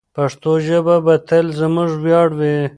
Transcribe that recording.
پښتو ژبه به تل زموږ ویاړ وي.